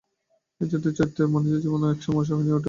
এ-জাতীয় চরিত্রের মানুষদের কাছে জীবন একসময় অসহনীয় হয়ে ওঠে।